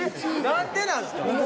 何でなんすか？